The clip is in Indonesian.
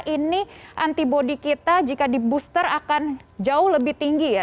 ini antibodi kita jika dibooster akan jauh lebih tinggi ya